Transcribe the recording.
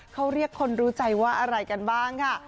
เขาเรียกคนรู้ใจว่าอะไรกันบ้างค่ะ